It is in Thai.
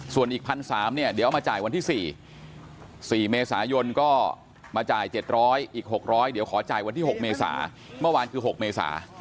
ส่วนอีก๑๓๐๐บาทเดี๋ยวมาจ่ายวันที่๔เมษายนก็มาจ่าย๗๐๐บาทอีก๖๐๐บาทเดี๋ยวขอจ่ายวันที่๖เมษา